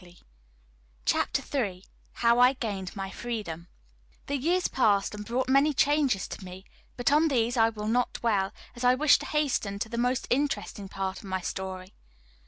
] CHAPTER III HOW I GAINED MY FREEDOM The years passed and brought many changes to me, but on these I will not dwell, as I wish to hasten to the most interesting part of my story.